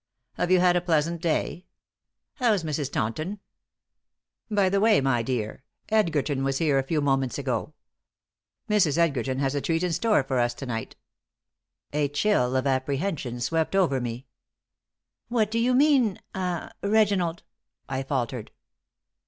"Have you had a pleasant day? How's Mrs. Taunton? By the way, my dear, Edgerton was here a few moments ago. Mrs. Edgerton has a treat in store for us to night." A chill of apprehension swept over me. "What do you mean ah Reginald?" I faltered.